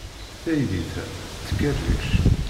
Taydit-a tettkerric.